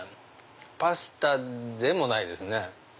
パスタでもないですね。